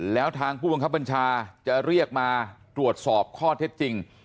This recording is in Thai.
แล้วทางผู้บังคับบัญชาจะเรียกมาตรวจสอบข้อเท็จจริง